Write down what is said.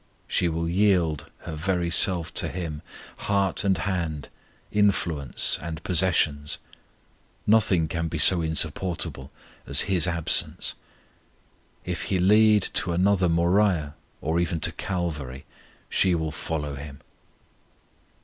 She will yield her very self to Him, heart and hand, influence and possessions. Nothing can be so insupportable as His absence! If He lead to another Moriah, or even to a Calvary, she will follow Him.